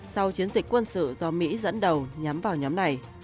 sau chiến dịch quân sự do mỹ dẫn đầu nhắm vào nhóm này